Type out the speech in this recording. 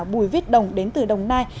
bùi viết đồng đến từ đồng nai